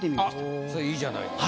あっそれ良いじゃないですか。